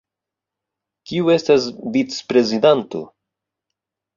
Kiu estas vicprezidanto?